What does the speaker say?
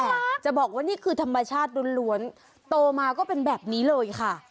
จะบอกว่านี่คือธรรมชาติล้วนโตมาก็เป็นแบบนี้เลยค่ะ